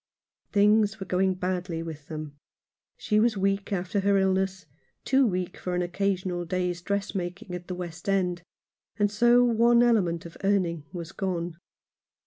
Things were going badly with them. She was weak after her illness — too weak for an occasional day's dressmaking at the West End, and so one element of earning was gone.